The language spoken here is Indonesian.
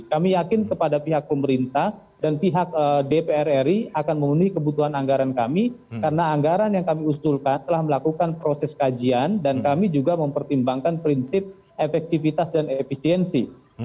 kami yakin kepada pihak pemerintah dan pihak dpr ri akan memenuhi kebutuhan anggaran kami karena anggaran yang kami usulkan telah melakukan proses kajian dan kami juga mempertimbangkan prinsip efektivitas dan efisiensi